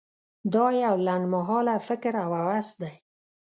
دا یو لنډ مهاله فکر او هوس دی.